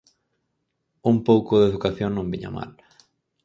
Un pouco de educación non viña mal.